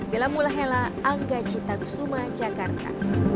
dalam ulah helah angga cittagusuma jakarta